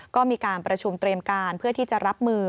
ก็มีการประชุมเตรียมการเพื่อที่จะรับมือ